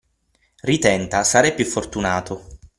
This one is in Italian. Ritenta, sarai più fortunato!